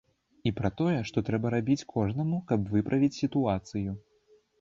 І пра тое, што трэба рабіць кожнаму, каб выправіць сітуацыю.